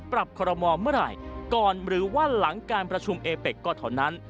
คอรมอลเมื่อไหร่ก่อนหรือว่าหลังการประชุมเอเป็กก็เท่านั้น